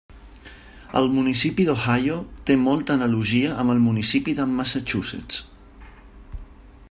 El municipi d'Ohio té molta analogia amb el municipi de Massachusetts.